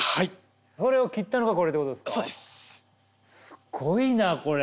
すごいなこれ。